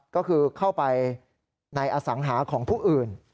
ก็คือเข้าไปในอสังหาของผู้อื่น